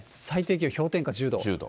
最低気温氷点下１０度。